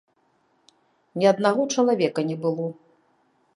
Ні аднаго чалавека не было.